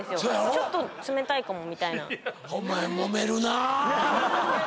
ちょっと冷たいかもみたいな。